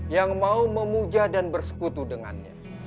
yang mau memuja dan bersekutu dengannya